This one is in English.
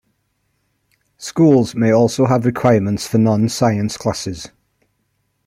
Schools may also have requirements for non-science classes.